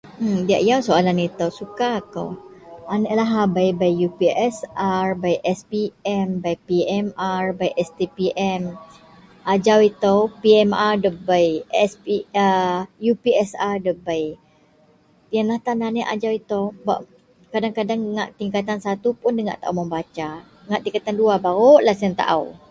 Diyak yau soalan ito. Suka akou, anek lahabei, bei upsr bei spm bei pmr bei stpm ajau ito pmr dabei aa sp upsr dabei. Iyenlah tan anek ajau ito kadang-kadang ngak tingkatan satu puon nda ngak tao mebasa, ngak tingkatan dua baruk tao.